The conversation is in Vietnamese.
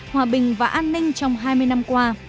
hòa bình và an ninh trong hai mươi năm qua